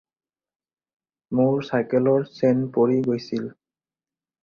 মোৰ চাইকেলৰ চেইন পৰি গৈছিল।